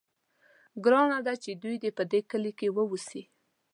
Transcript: ګرانه ده چې دوی په دې کلي کې واوسي.